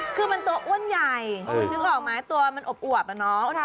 คือมันตัวอ้วนใหญ่นึกออกไหมตัวมันอบน้อง